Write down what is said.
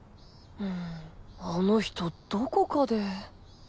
うんあの人どこかで。